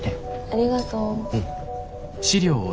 ありがとう。